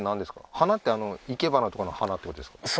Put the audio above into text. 花って生花とかの花ってことですか？